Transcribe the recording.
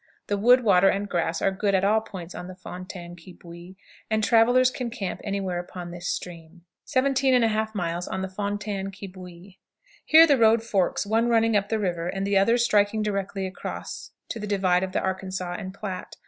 The wood, water, and grass are good at all points on the Fontaine qui Bouille, and travelers can camp any where upon this stream. 17 1/2. Fontaine qui Bouille. Here the road forks, one running up the river, and the other striking directly across to the divide of the Arkansas and Platte.